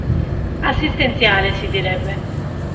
Assistenziale si direbbe.